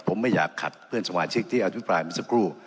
ผมไม่อยากขัดเพื่อนสมาชิกที่อภิปรายมาสักครู่